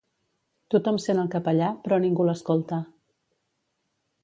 Tothom sent el capellà, però ningú l'escolta.